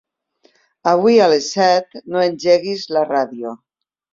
Avui a les set no engeguis la ràdio.